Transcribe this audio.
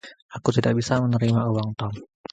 Aku tidak bisa menerima uang Tom.